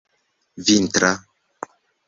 vintra